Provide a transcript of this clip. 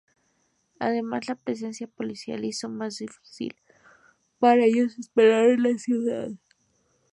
Además la presencia policial hizo más difícil para ellos operar en la ciudad impunemente.